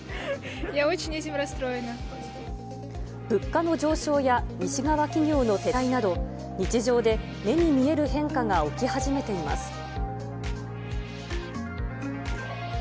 物価の上昇や西側企業の撤退など、日常で目に見える変化が起き始めています。